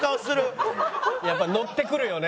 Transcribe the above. やっぱノッてくるよね。